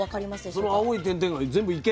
その青い点々が全部池？